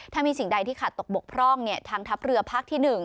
ถ้ามีสิ่งใดที่ขาดตกบกพร่องทางทัพเรือภาคที่๑